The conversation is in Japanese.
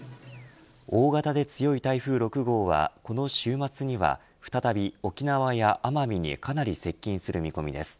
大型で強い台風６号はこの週末には再び沖縄や奄美にかなり接近する見込みです。